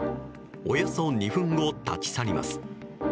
およそ２分後、立ち去ります。